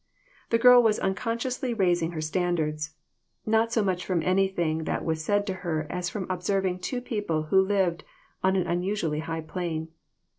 The girl was unconsciously raising her standards, .not so much from anything that was said to her as from observing two people who lived on an unusu ally high plane.